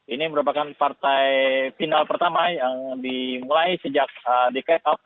ini merupakan partai final pertama yang dimulai sejak di check up